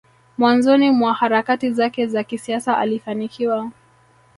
mwanzoni mwa harakati zake za kisiasa alifanikiwa